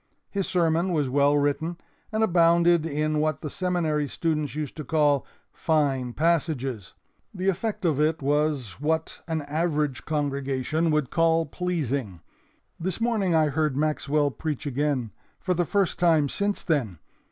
His sermon was well written and abounded in what the Seminary students used to call 'fine passages.' The effect of it was what an average congregation would call 'pleasing.' This morning I heard Maxwell preach again, for the first time since then.